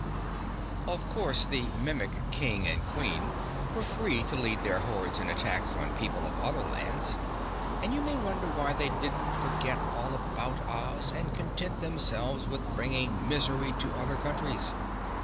Of course the Mimic King and Queen were free to lead their hordes in attacks on people of other lands, and you may wonder why they didn't forget all about Oz and content themselves with bringing misery to other countries.